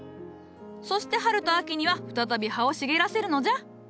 そして春と秋には再び葉を茂らせるのじゃ。